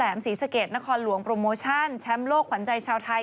ก็ไม่น่าถามผมก็ไม่รู้จะตอบบ้างเนี่ย